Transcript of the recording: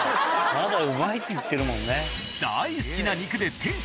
まだ「うまい」って言ってるもんね。